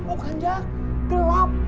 oh kan jak